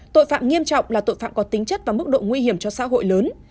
tội phạm nghiêm trọng là tội phạm có tính chất và mức độ nguy hiểm cho xã hội lớn